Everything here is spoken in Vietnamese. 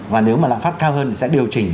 và nếu mà lãi pháp cao hơn thì sẽ điều chỉnh